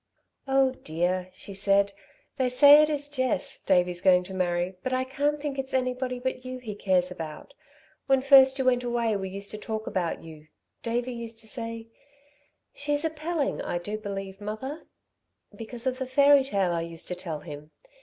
"Oh, dear," she said, "they say it is Jess, Davey's going to marry, but I can't think it's anybody but you he cares about. When first you went away we used to talk about you; Davey used to say: 'She's a Pelling, I do believe, mother' because of the fairy tale I used to tell him.